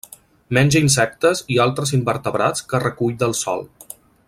Menja insectes i altres invertebrats que recull del sòl.